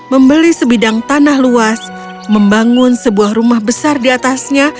membeli sebidang tanah luas membangun sebuah rumah besar di atasnya